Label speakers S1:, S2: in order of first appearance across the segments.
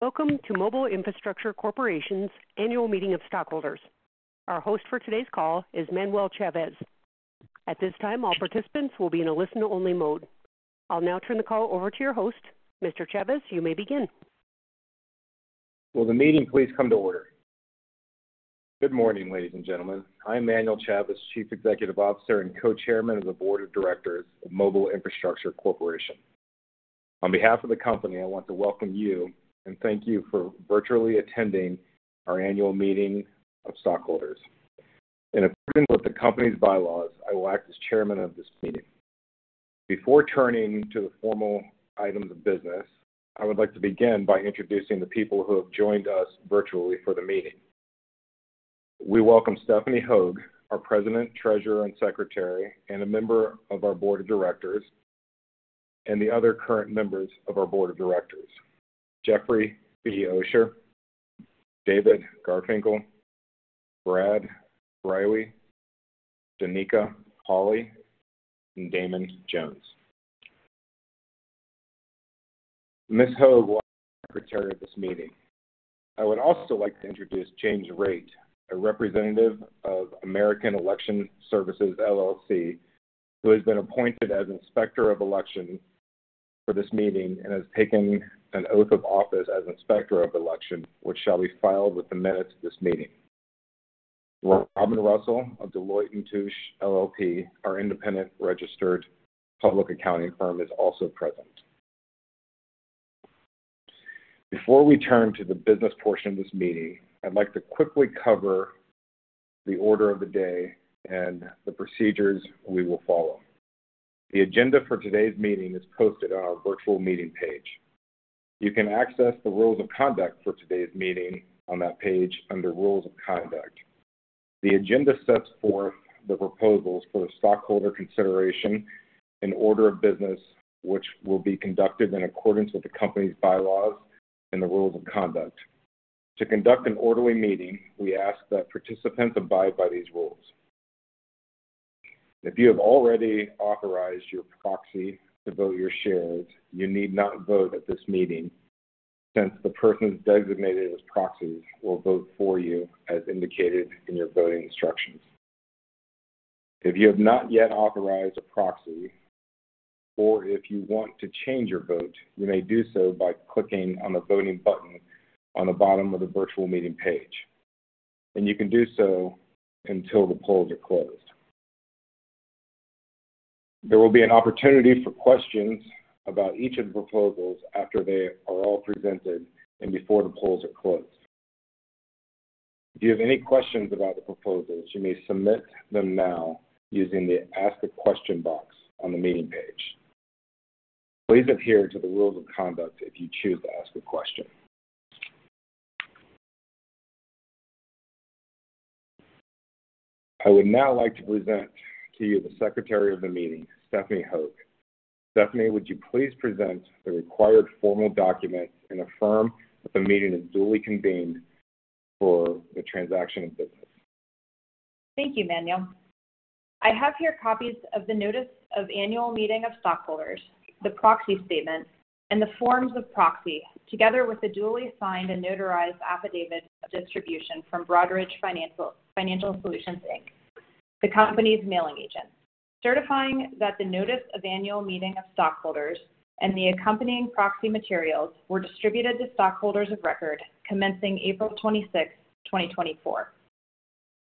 S1: Welcome to Mobile Infrastructure Corporation's annual meeting of stockholders. Our host for today's call is Manuel Chavez. At this time, all participants will be in a listen-only mode. I'll now turn the call over to your host. Mr. Chavez, you may begin.
S2: Will the meeting please come to order? Good morning, ladies and gentlemen. I'm Manuel Chavez, Chief Executive Officer and Co-Chairman of the Board of Directors of Mobile Infrastructure Corporation. On behalf of the company, I want to welcome you and thank you for virtually attending our annual meeting of stockholders. In accordance with the company's bylaws, I will act as Chairman of this meeting. Before turning to the formal items of business, I would like to begin by introducing the people who have joined us virtually for the meeting. We welcome Stephanie Hogue, our President, Treasurer, and Secretary, and a member of our Board of Directors, and the other current members of our Board of Directors: Jeffrey B. Osher, David Garfinkle, Brad Greiwe, Danica Holley, and Damon Jones. Ms. Hogue will act as Secretary of this meeting. I would also like to introduce James Raitt, a representative of American Election Services, LLC, who has been appointed as Inspector of Elections for this meeting and has taken an oath of office as Inspector of Elections, which shall be filed with the minutes of this meeting. Robin Russell of Deloitte & Touche LLP, our independent registered public accounting firm, is also present. Before we turn to the business portion of this meeting, I'd like to quickly cover the order of the day and the procedures we will follow. The agenda for today's meeting is posted on our virtual meeting page. You can access the rules of conduct for today's meeting on that page under Rules of Conduct. The agenda sets forth the proposals for stockholder consideration in order of business, which will be conducted in accordance with the company's bylaws and the rules of conduct. To conduct an orderly meeting, we ask that participants abide by these rules. If you have already authorized your proxy to vote your shares, you need not vote at this meeting since the persons designated as proxies will vote for you as indicated in your voting instructions. If you have not yet authorized a proxy, or if you want to change your vote, you may do so by clicking on the voting button on the bottom of the virtual meeting page. You can do so until the polls are closed. There will be an opportunity for questions about each of the proposals after they are all presented and before the polls are closed. If you have any questions about the proposals, you may submit them now using the Ask a Question box on the meeting page. Please adhere to the rules of conduct if you choose to ask a question. I would now like to present to you the Secretary of the meeting, Stephanie Hogue. Stephanie, would you please present the required formal documents and affirm that the meeting is duly convened for the transaction of business?
S3: Thank you, Manuel. I have here copies of the Notice of Annual Meeting of Stockholders, the Proxy Statement, and the Forms of Proxy, together with the duly signed and notarized affidavit of distribution from Broadridge Financial Solutions, Inc., the company's mailing agent, certifying that the Notice of Annual Meeting of Stockholders and the accompanying proxy materials were distributed to stockholders of record commencing April 26th, 2024.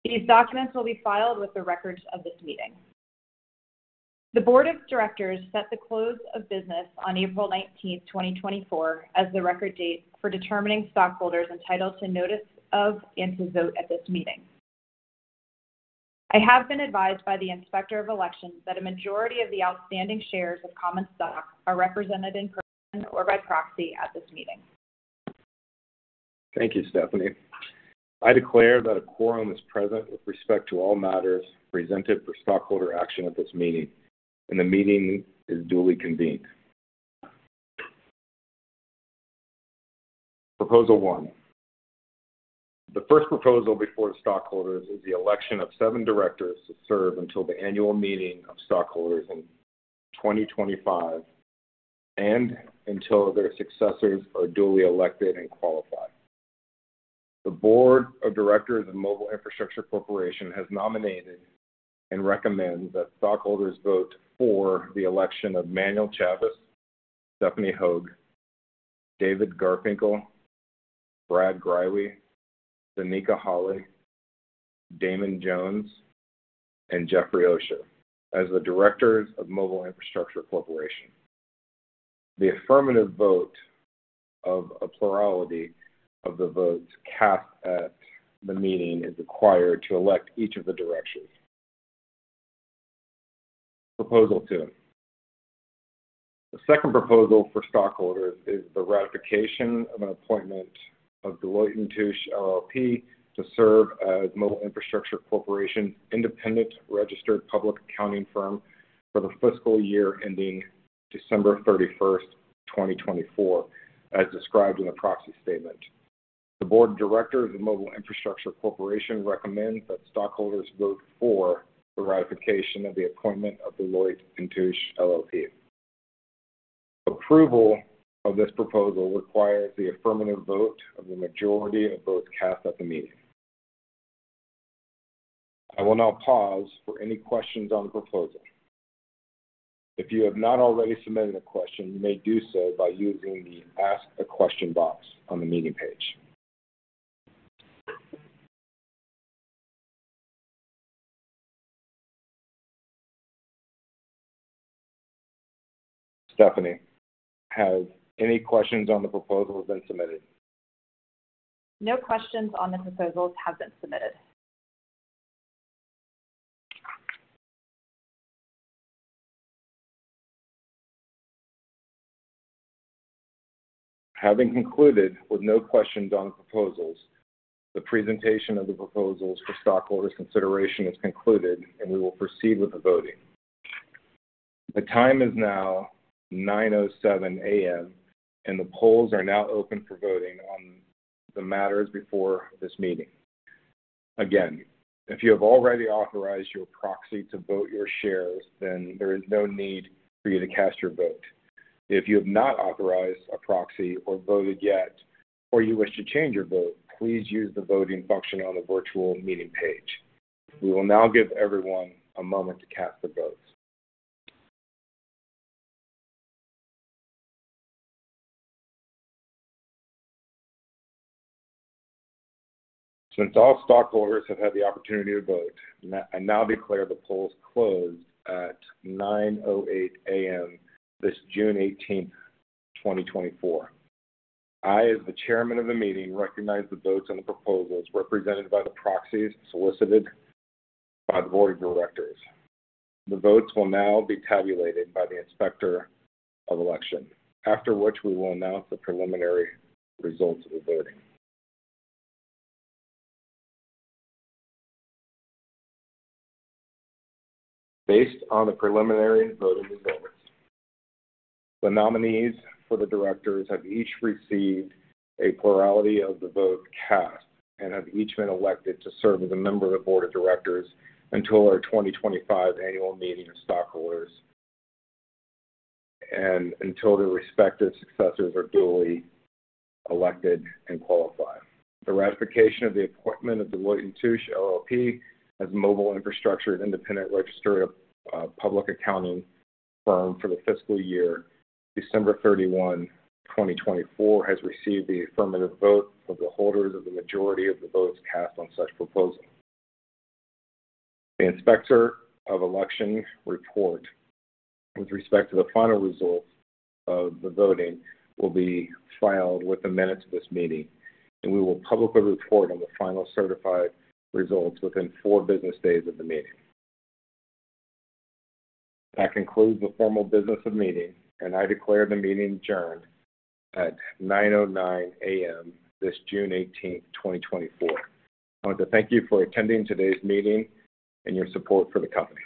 S3: These documents will be filed with the records of this meeting. The Board of Directors set the close of business on April 19th, 2024, as the record date for determining stockholders entitled to notice of and to vote at this meeting. I have been advised by the Inspector of Elections that a majority of the outstanding shares of common stock are represented in person or by proxy at this meeting.
S2: Thank you, Stephanie. I declare that a quorum is present with respect to all matters presented for stockholder action at this meeting, and the meeting is duly convened. Proposal One. The first proposal before the stockholders is the election of seven directors to serve until the annual meeting of stockholders in 2025 and until their successors are duly elected and qualified. The Board of Directors of Mobile Infrastructure Corporation has nominated and recommends that stockholders vote for the election of Manuel Chavez, Stephanie Hogue, David Garfinkle, Brad Greiwe, Danica Holley, Damon Jones, and Jeffrey Osher as the directors of Mobile Infrastructure Corporation. The affirmative vote of a plurality of the votes cast at the meeting is required to elect each of the directors. Proposal Two. The second proposal for stockholders is the ratification of an appointment of Deloitte & Touche LLP to serve as Mobile Infrastructure Corporation's independent registered public accounting firm for the fiscal year ending December 31st, 2024, as described in the Proxy Statement. The Board of Directors of Mobile Infrastructure Corporation recommends that stockholders vote for the ratification of the appointment of Deloitte & Touche LLP. Approval of this proposal requires the affirmative vote of the majority of votes cast at the meeting. I will now pause for any questions on the proposal. If you have not already submitted a question, you may do so by using the Ask a Question box on the meeting page. Stephanie, have any questions on the proposals been submitted?
S3: No questions on the proposals have been submitted.
S2: Having concluded with no questions on the proposals, the presentation of the proposals for stockholders' consideration is concluded, and we will proceed with the voting. The time is now 9:07 A.M., and the polls are now open for voting on the matters before this meeting. Again, if you have already authorized your proxy to vote your shares, then there is no need for you to cast your vote. If you have not authorized a proxy or voted yet, or you wish to change your vote, please use the voting function on the virtual meeting page. We will now give everyone a moment to cast their votes. Since all stockholders have had the opportunity to vote, I now declare the polls closed at 9:08 A.M. this June 18th, 2024. I, as the Chairman of the meeting, recognize the votes on the proposals represented by the proxies solicited by the Board of Directors. The votes will now be tabulated by the Inspector of Elections, after which we will announce the preliminary results of the voting. Based on the preliminary voting results, the nominees for the directors have each received a plurality of the votes cast and have each been elected to serve as a member of the Board of Directors until our 2025 annual meeting of stockholders and until their respective successors are duly elected and qualified. The ratification of the appointment of Deloitte & Touche LLP, as Mobile Infrastructure Corporation's independent registered public accounting firm for the fiscal year December 31, 2024, has received the affirmative vote of the holders of the majority of the votes cast on such proposal. The Inspector of Elections report with respect to the final results of the voting will be filed with the minutes of this meeting, and we will publicly report on the final certified results within four business days of the meeting. That concludes the formal business of the meeting, and I declare the meeting adjourned at 9:09 A.M. this June 18th, 2024. I want to thank you for attending today's meeting and your support for the company.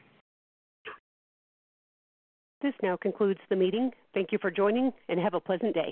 S1: This now concludes the meeting. Thank you for joining, and have a pleasant day.